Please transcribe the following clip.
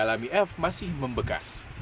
af masih membekas